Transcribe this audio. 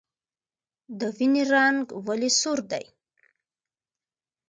د وینې رنګ ولې سور دی